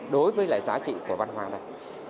đối với lại giá trị của văn hóa này